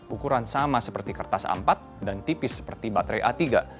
ukuran sama seperti kertas a empat dan tipis seperti baterai a tiga